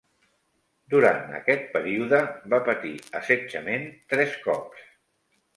Durant aquest període va patir assetjament tres cops.